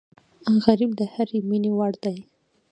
غریب د هرې مینې وړ دی